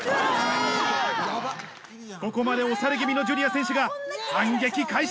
ここまで押され気味のジュリア選手が反撃開始！